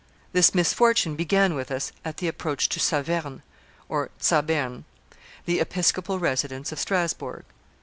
This misfortune began with us at the approach to Saverne (Zabern), the episcopal residence of Strasbourg."